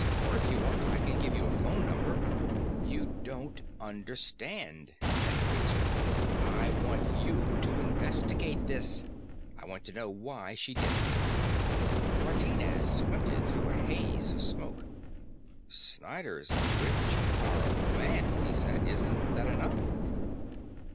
Or if you want, I can give you a phone number " "You don't understand," said Fraser "I want you to investigate this; I want to know why she did it." Martinez squinted through a haze of smoke. "Snyder's a rich and powerful man," he said. "Isn't that enough?"